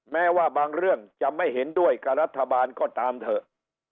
แม้ว่าบางเรื่องจะไม่เห็นด้วยกับรัฐบาลก็ตามเถอะ